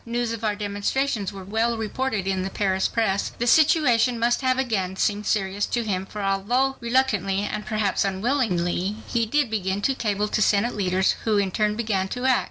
News of our demonstrations were well reported in the Paris press. The situation must have again seemed serious to him, for although reluctantly and perhaps unwillingly, he did begin to cable to Senate leaders, who in turn began to act.